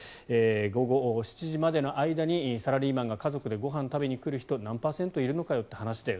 午後７時までの間にサラリーマンが家族でご飯食べに来る人何パーセントいるのかよって話だよ。